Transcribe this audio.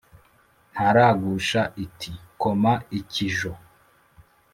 Ntaragusha iti : Koma ikijo.